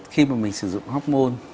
khi mà mình sử dụng hormone